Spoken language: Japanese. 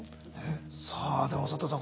さあでも佐藤さん